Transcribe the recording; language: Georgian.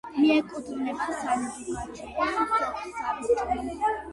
მიეკუთვნება სანდუგაჩევის სოფსაბჭოს.